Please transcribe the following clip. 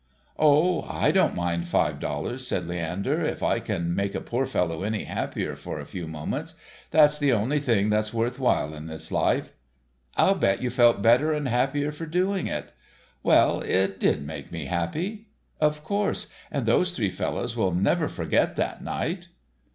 "Oh, I don't mind five dollars," said Leander, "if it can make a poor fellow any happier for a few moments. That's the only thing that's worth while in this life." "I'll bet you felt better and happier for doing it." "Well, it did make me happy." "Of course, and those three fellows will never forget that night."